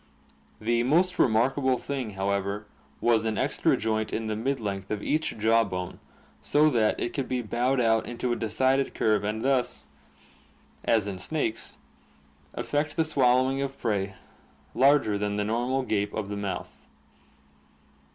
The most remarkable thing, however, was an extra joint in the mid length of each jaw bone so that it could be bowed out into a decided curve and thus, as in snakes, effect the swallowing of prey larger than the normal gape of the mouth.